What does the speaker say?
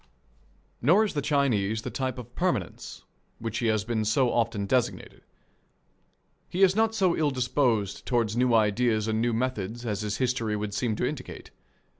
Nor is the Chinese the type of permanence which he has been so often designated. He is not so ill disposed toward new ideas and new methods as his history would seem to indicate.